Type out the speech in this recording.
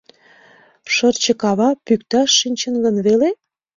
Шырчыкава пӱкташ шинчын гын веле?